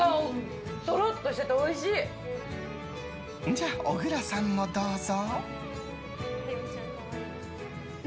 じゃあ、小倉さんもどうぞ。